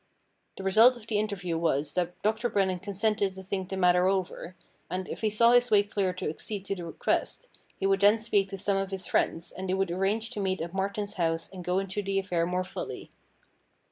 The result of the interview was that Doctor Brennan consented to think the matter over, and, if he saw his way clear to accede to the request, he would then speak to some of his friends, and they would arrange to meet at Martin's house and go into the affair more fully.